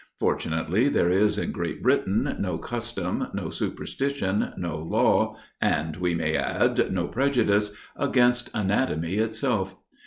Fortunately, there is in Great Britain no custom, no superstition, no law, and we may add, no prejudice, against anatomy itself.